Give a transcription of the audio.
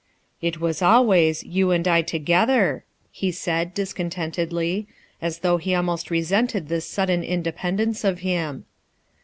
"It was always 'you and I together/" he said, discontentedly, as though he almost re sented this sudden independence of him.